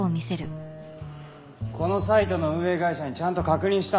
このサイトの運営会社にちゃんと確認したんだよ。